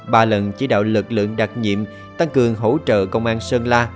ba lần chỉ đạo lực lượng đặc nhiệm tăng cường hỗ trợ công an sơn la